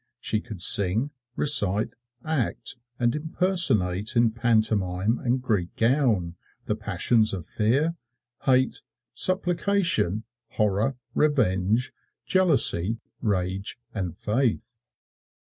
She could sing, recite, act, and impersonate in pantomime and Greek gown, the passions of Fear, Hate, Supplication, Horror, Revenge, Jealousy, Rage and Faith.